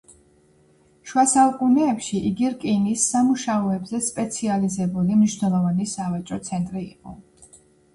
შუა საუკუნეებში იგი რკინის სამუშაოებზე სპეციალიზებული მნიშვნელოვანი სავაჭრო ცენტრი იყო.